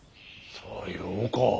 さようか。